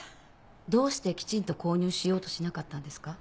どうしてきちんと購入しようとしなかったんですか？